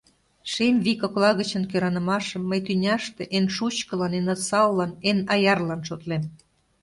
Шем вий кокла гычын кӧранымашым мый тӱняште Эн шучкылан, эн осаллан, эн аярлан шотлем.